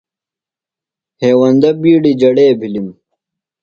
ہیوندہ بِیڈیۡ جڑے بِھلِم۔